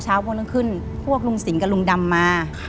เช้าพวกนั้นขึ้นพวกลุงสิงห์กับลุงดำมา